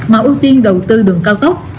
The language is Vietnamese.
mà ưu tiên đầu tư đường cao tốc